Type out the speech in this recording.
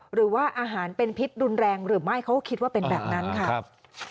หรือว่าอาหารเป็นพิษรุนแรงหรือไม่เขาก็คิดว่าเป็นแบบนั้นค่ะครับ